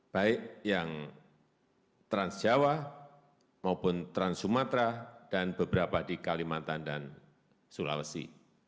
baik yang transjawa maupun trans sumatera dan beberapa di kalimantan dan sulawesi